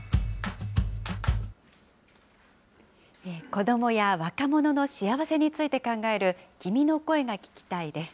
子どもや若者の幸せについて考える君の声が聴きたいです。